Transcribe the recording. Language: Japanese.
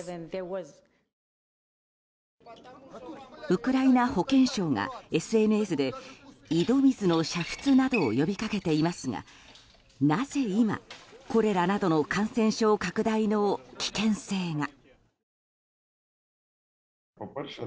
ウクライナ保健省がＳＮＳで井戸水の煮沸などを呼びかけていますがなぜ今、コレラなどの感染症拡大の危険性が。